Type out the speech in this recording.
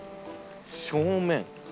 正面。